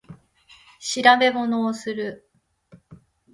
調べ物をする